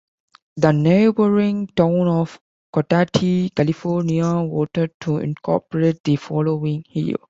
The neighboring town of Cotati, California, voted to incorporate the following year.